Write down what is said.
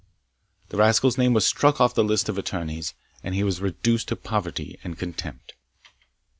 The rascal's name was struck off the list of attorneys, and he was reduced to poverty and contempt.